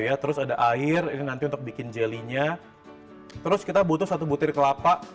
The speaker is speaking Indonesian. ya terus ada air ini nanti untuk bikin jelinya terus kita butuh satu butir kelapa